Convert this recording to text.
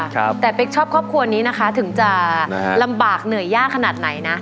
แต่เป๊กชอบครอบครัวนี้นะคะถึงจะลำบากเหนื่อยยากขนาดไหนนะ